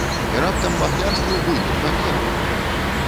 І раптам махлярства ў буйным памеры!